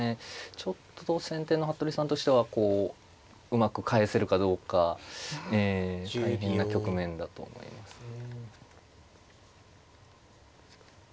ちょっと先手の服部さんとしてはこううまく返せるかどうか大変な局面だと思いますね。